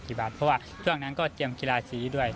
เพราะว่าช่วงนั้นก็เตรียมกีฬาสีด้วย